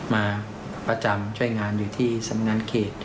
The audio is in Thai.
มาประจำช่วยงานอยู่ที่สำนักงานเขต